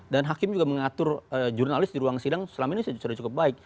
dan hakim juga mengatur jurnalis di ruang sidang selama ini sudah cukup baik